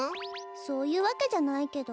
そういうわけじゃないけど。